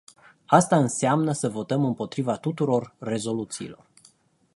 Asta înseamnă să votăm împotriva tuturor rezoluțiilor.